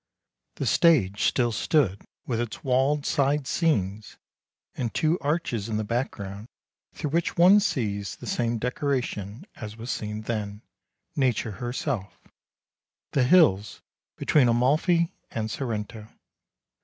The stage still stood with its walled side scenes, and two arches in the background through which one sees the same decoration as was seen then — nature herself, the hills between Amain and Sorrento.